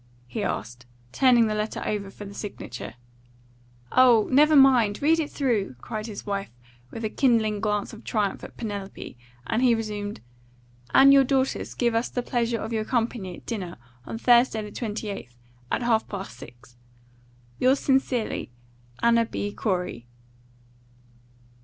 he asked, turning the letter over for the signature. "Oh, never mind. Read it through!" cried his wife, with a kindling glance of triumph at Penelope, and he resumed " and your daughters give us the pleasure of your company at dinner on Thursday, the 28th, at half past six. "Yours sincerely, "ANNA B. COREY."